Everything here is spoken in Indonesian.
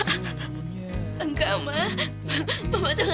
kamu sudah sang majo oke